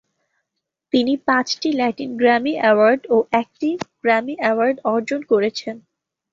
তিনি পাঁচটি Latin Grammy award ও একটি গ্র্যামি এওয়ার্ড অর্জন করেছেন।